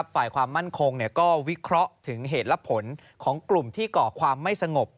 ฝ่ายความมั่นคงก็วิเคราะห์ถึงเหตุและผลของกลุ่มที่ก่อความไม่สงบ